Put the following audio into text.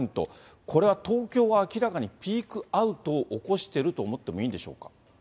これは東京は明らかにピークアウトを起こしていると思ってもいいんでしょうか。